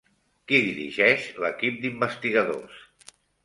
Qui dirigeix l'equip d'investigadors?